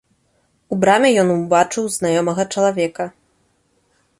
У браме ён убачыў знаёмага чалавека.